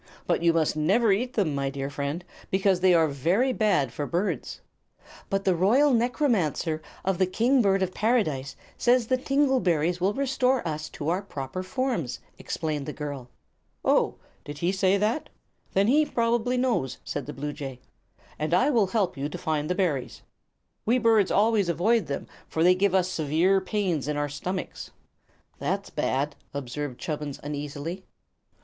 But you must never eat them, my dear friend, because they are very bad for birds." "But the Royal Necromancer of the King Bird of Paradise says the tingle berries will restore us to our proper forms," explained the girl. "Oh; did he say that? Then he probably knows," said the bluejay, "and I will help you to find the berries. We birds always avoid them, for they give us severe pains in our stomachs." "That's bad," observed Chubbins, uneasily.